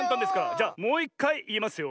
じゃもういっかいいいますよ。